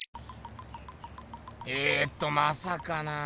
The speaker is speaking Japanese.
えとまさかなあ。